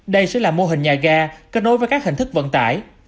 đây sẽ là mô hình nhà ga kết nối với các hình thức vận tải